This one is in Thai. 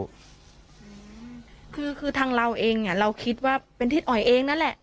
คือทางเราเองเราคิดว่าเป็นทิศออยเองนั่นแหละ